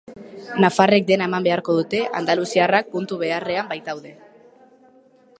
Nafarrek dena eman beharko dute andaluziarrak puntu beharrean baitaude.